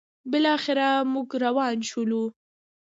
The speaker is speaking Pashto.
بالاخره موږ روان شولو: